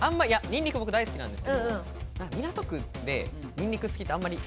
ニンニク、僕大好きなんですけど、港区でニンニク好きって、あんまり。